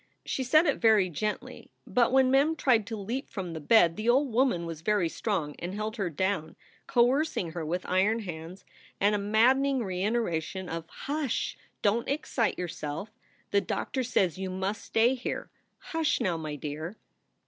She said it very gently, but when Mem tried to leap from the bed the old woman was very strong and held her down, coercing her with iron hands and a maddening reiteration of: "Hush! Don t excite yourself. The doctor says you must stay here. Hush now, my dear."